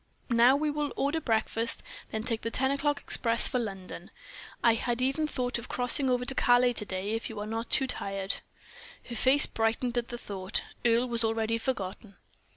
Now we will order breakfast, then take the ten o'clock express for London. I had even thought of crossing over to Calais to day, if you are not too tired." Her face brightened at the thought Earle was already forgotten.